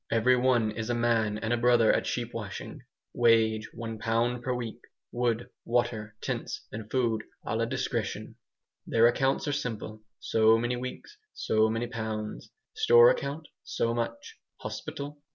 Every one is a man and a brother at sheep washing. Wage, one pound per week; wood, water, tents and food "A LA DISCRETION." Their accounts are simple: so many weeks, so many pounds; store account, so much; hospital?